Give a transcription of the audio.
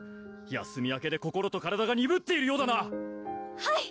休み明けで心と体がにぶっているようだなはい！